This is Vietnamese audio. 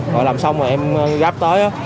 rồi làm xong rồi em gáp tới á